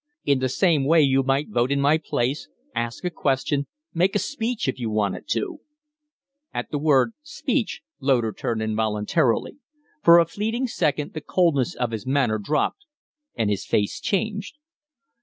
In the same way you might vote in my place ask a question, make a speech if you wanted to " At the word speech Loder turned involuntarily For a fleeting second the coldness of his manner dropped and his face changed.